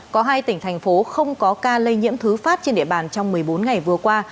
có hai tỉnh thành phố không có ca lây nhiễm thứ phát trên địa bàn trong một mươi bốn ngày vừa qua